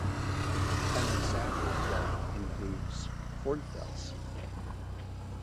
An example rock includes hornfels.